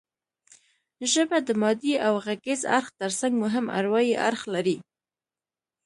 ژبه د مادي او غږیز اړخ ترڅنګ مهم اروايي اړخ لري